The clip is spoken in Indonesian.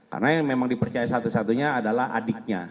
karena yang memang dipercaya satu satunya adalah adiknya